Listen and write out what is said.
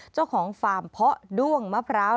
เจ้าของฟาร์มเพาะด้วงมะพร้าว